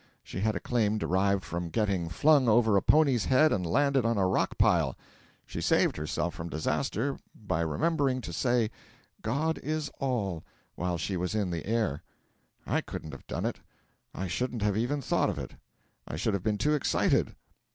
She had a claim derived from getting flung over a pony's head and landed on a rock pile. She saved herself from disaster by remember to say 'God is All' while she was in the air. I couldn't have done it. I shouldn't have even thought of it. I should have been too excited.